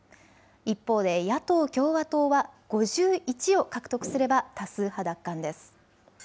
一方で野党・共和党は５１を獲得すれば多数派奪還です。